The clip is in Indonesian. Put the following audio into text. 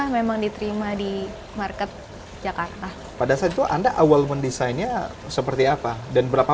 memang diterima di market jakarta pada saat itu anda awal mendesainnya seperti apa dan berapa